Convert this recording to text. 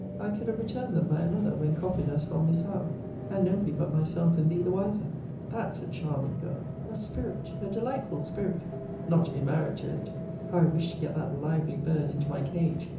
I could have returned them by another, when copied, as from Miss Howe, and nobody but myself and thee the wiser. That's a charming girl! her spirit, her delightful spirit! not to be married to it how I wish to get that lively bird into my cage!